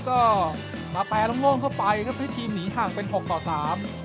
ก็มาแปรโล่งเข้าไปครับให้ทีมหนีห่างเป็นหกต่อสาม